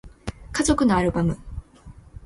家族のアルバム